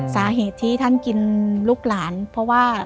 สาเหตุที่ท่านกินลูกหลานเพราะว่า